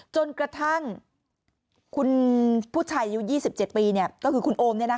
จนกระทั่งคุณผู้ชายอายุ๒๗ปีเนี่ยก็คือคุณโอมเนี่ยนะคะ